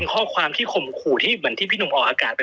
ข้อความที่ข่มขู่ที่เหมือนที่พี่หนุ่มออกอากาศไป